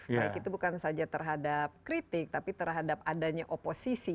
baik itu bukan saja terhadap kritik tapi terhadap adanya oposisi